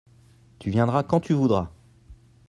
tu viendras quand tu voudras.